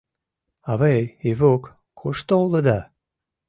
Авый, Ивук, кушто улыда?